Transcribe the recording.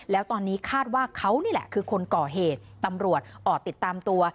แล้วตอนนี้คาดว่าเขานี่แหละคือคนก่อเหตุตำรวจออกติดตามตัว